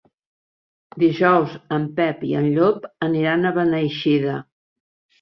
Dijous en Pep i en Llop aniran a Beneixida.